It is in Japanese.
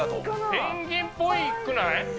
ペンギンっぽいっくない？